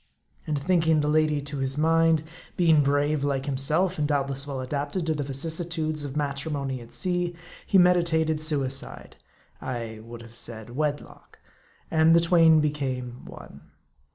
And thinking the lady to his mind, M A R D I. 87 being brave like himself, and doubtless well adapted to the vicissitudes of matrimony at sea, he meditated suicide I would have said, wedlock and the twain became one.